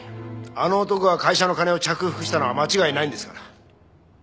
あの男が会社の金を着服したのは間違いないんですから。